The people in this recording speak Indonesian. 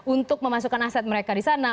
untuk memasukkan aset mereka di sana